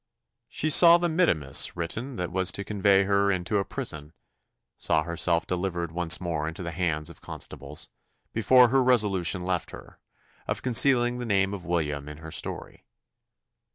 She saw the mittimus written that was to convey her into a prison saw herself delivered once more into the hands of constables, before her resolution left her, of concealing the name of William in her story.